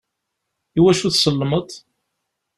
Iwacu tsellmeḍ?